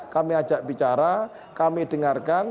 kami ajak bicara kami dengarkan